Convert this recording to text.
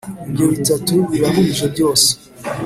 ibyo bitatu birahuje byose.